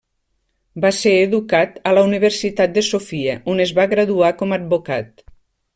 Va ser educat en la Universitat de Sofia, on es va graduar com advocat.